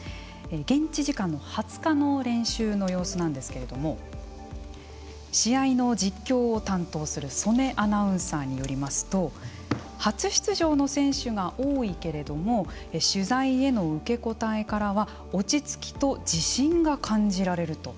現地時間の２０日の練習の様子なんですけれども試合の実況を担当する曽根アナウンサーによりますと初出場の選手が多いけれども取材への受け答えからは落ち着きと自信が感じられると。